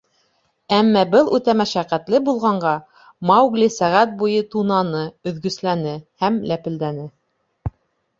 Әммә был үтә мәшәҡәтле булғанға, Маугли сәғәт буйы тунаны, өҙгөсләне... һәм ләпелдәне.